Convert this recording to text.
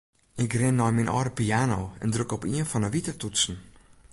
Ik rin nei myn âlde piano en druk op ien fan 'e wite toetsen.